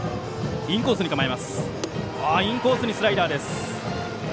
インコースにスライダー。